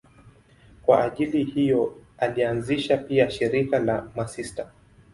Kwa ajili hiyo alianzisha pia shirika la masista.